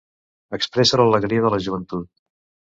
Expressa l'alegria de la joventut.